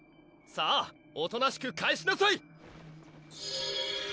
さぁおとなしく返しなさい！